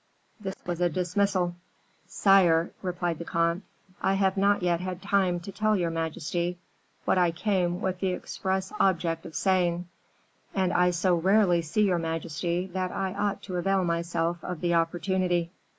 This was a dismissal. "Sire," replied the comte, "I have not yet had time to tell your majesty what I came with the express object of saying, and I so rarely see your majesty that I ought to avail myself of the opportunity."